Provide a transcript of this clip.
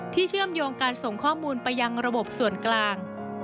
เชื่อมโยงการส่งข้อมูลไปยังระบบส่วนกลาง